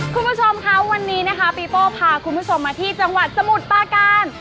คุณผู้ชมคะวันนี้นะคะปีโป้พาคุณผู้ชมมาที่จังหวัดสมุทรปาการ